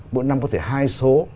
mỗi năm có thể hai số